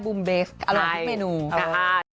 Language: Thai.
บูมเบสอร่อยทุกเมนูอร่อยใช่ค่ะ